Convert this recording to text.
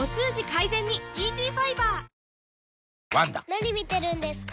・何見てるんですか？